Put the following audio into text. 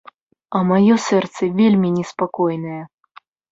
А маё сэрца вельмі неспакойнае.